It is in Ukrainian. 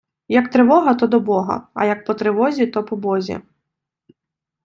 Як тривога, то до Бога, а як по тривозі, то по Бозі.